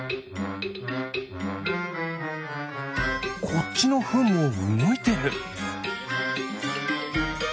こっちのフンもうごいてる。